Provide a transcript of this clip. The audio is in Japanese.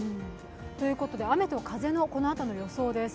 ということで、雨と風のこのあとの予想です。